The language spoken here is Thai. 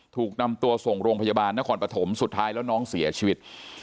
ถูกนำตัวส่งโรงพยาบาลนครปฐมสุดท้ายแล้วน้องเสียชีวิต